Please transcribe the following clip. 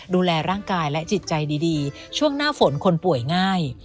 ดูแลร่างกายและจิตใจดีช่วงหน้าฝนคนป่วยง่าย